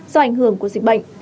do ảnh hưởng của dịch bệnh